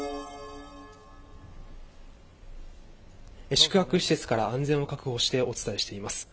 宿泊施設から、安全を確保してお伝えしています。